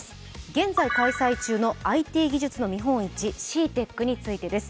現在開催中のＩＴ技術の見本市、ＣＥＡＴＥＣについてです。